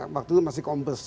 waktu itu masih kompes